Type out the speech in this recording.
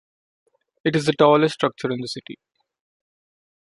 It is the tallest structure in the city.